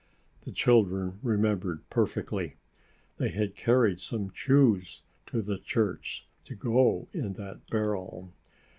The children remembered perfectly. They had carried some shoes to the church to go in that barrel.